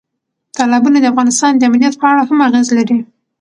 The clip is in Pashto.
تالابونه د افغانستان د امنیت په اړه هم اغېز لري.